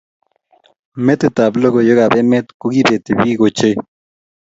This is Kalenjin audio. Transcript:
metitab logoiywekab emet kogibeti biik ochei